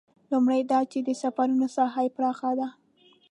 لومړی دا چې د سفرونو ساحه یې پراخه ده.